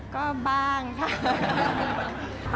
ก็บ้างค่ะ